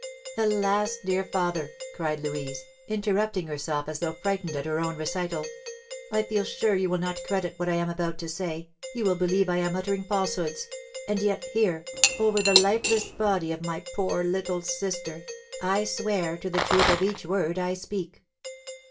Alas, dear father!" cried Louise, interrupting herself as though frightened at her own recital, "I feel sure you will not credit what I am about to say, you will believe I am uttering falsehoods; and yet, here, over the lifeless body of my poor little sister, I swear to the truth of each word I speak."